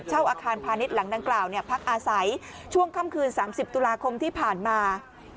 เช่าอาคารพาณิชย์หลังดังกล่าวเนี่ยพักอาศัยช่วงคำคืนสามสิบตุลาคมที่ผ่านมา